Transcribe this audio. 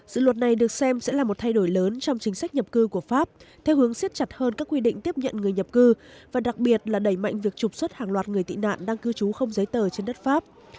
dự luật này được xem sẽ là một thay đổi lớn trong chính sách nhập cư của pháp theo hướng siết chặt hơn các quy định tiếp nhận người nhập cư và đặc biệt là đẩy mạnh việc trục xuất hàng loạt người tị nạn đang cư trú không giấy tờ trên đất pháp